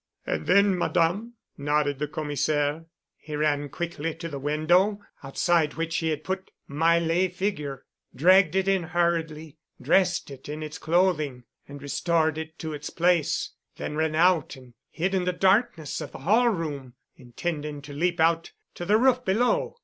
"And then, Madame?" nodded the Commissaire. "He ran quickly to the window, outside which he had put my lay figure, dragged it in hurriedly, dressed it in its clothing and restored it to its place, then ran out and hid in the darkness of the hall room, intending to leap out to the roof below.